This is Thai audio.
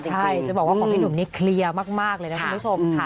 ใช่จะบอกว่าของพี่หนุ่มนี่เคลียร์มากเลยนะคุณผู้ชมค่ะ